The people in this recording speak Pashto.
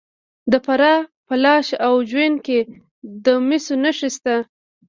د فراه په لاش او جوین کې د مسو نښې شته.